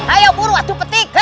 ayo buruh atuh petik